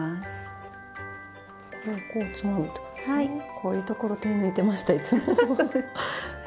こういうところ手抜いてましたいつも。